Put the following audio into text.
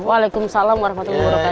waalaikumsalam warahmatullahi wabarakatuh